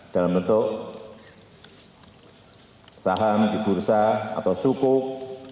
dalam bentuk saham di bursa atau sukuk